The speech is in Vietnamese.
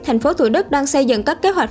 thành phố thủ đức đang xây dựng các kế hoạch